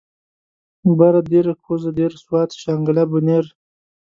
بره دير کوزه دير سوات شانګله بونير